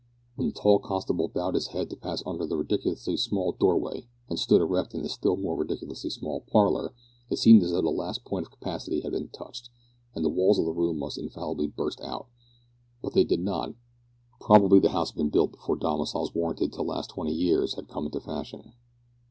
When the tall constable bowed his head to pass under the ridiculously small doorway, and stood erect in the still more ridiculously small parlour, it seemed as though the last point of capacity had been touched, and the walls of the room must infallibly burst out. But they did not! Probably the house had been built before domiciles warranted to last twenty years had come into fashion.